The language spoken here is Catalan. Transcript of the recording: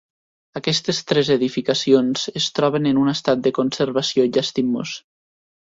Aquestes tres edificacions es troben en un estat de conservació llastimós.